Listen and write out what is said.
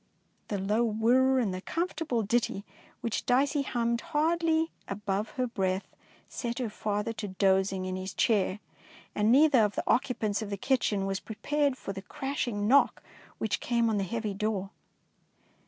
The low whir and the comfortable ditty 259 DEEDS OF DABING which Dicey hummed hardly above her breath set her father to dozing in his chair, and neither of the occupants of the kitchen was prepared for the crash ing knock which came on the heavy door.